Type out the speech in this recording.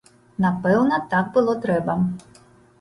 Напэўна, так было трэба.